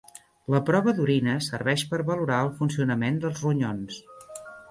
La prova d'orina serveix per valorar el funcionament dels ronyons.